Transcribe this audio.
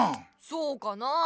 そうかなあ？